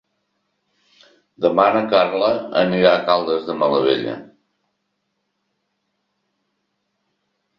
Demà na Carla anirà a Caldes de Malavella.